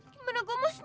gimana gue mau senyum